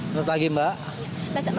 selamat pagi mbak